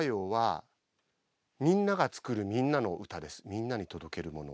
みんなに届けるもの。